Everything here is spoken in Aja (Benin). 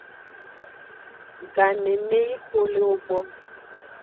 Ganeneyi xo le ewo gbo.